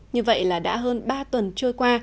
như vậy là đã hơn ba tuần trôi qua